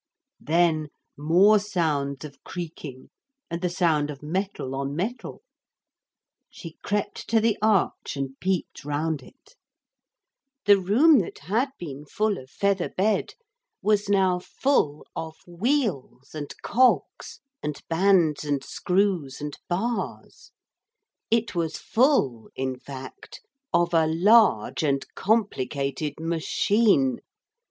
Then more sounds of creaking and the sound of metal on metal. She crept to the arch and peeped round it. The room that had been full of feather bed was now full of wheels and cogs and bands and screws and bars. It was full, in fact, of a large and complicated machine.